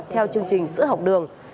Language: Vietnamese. theo chương trình sữa học đường